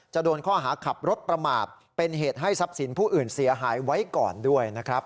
โดนข้อหาขับรถประมาทเป็นเหตุให้ทรัพย์สินผู้อื่นเสียหายไว้ก่อนด้วยนะครับ